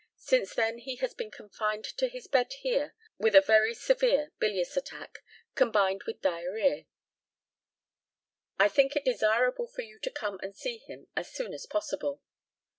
Since then he has been confined to his bed here with a very severe bilious attack, combined with diarrhœa. I think it desirable for you to come and see him as soon as possible.